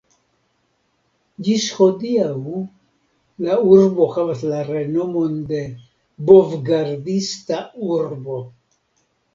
Ĝis hodiaŭ la urbo havas la renomon de "bov-gardista urbo".